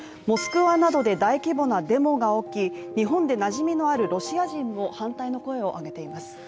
モスクワなどで大規模なデモが起き、日本になじみのあるロシア人も反対の声を上げています。